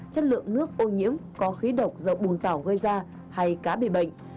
chất lượng nước ô nhiễm có khí độc do bùn tảo gây ra hay cá bị bệnh